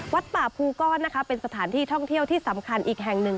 วัดป่าภูก้อนนะคะเป็นสถานที่ท่องเที่ยวที่สำคัญอีกแห่งหนึ่ง